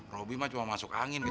robi mah cuma masuk angin gitu